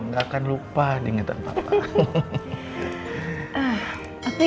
gak akan lupa dinginan papa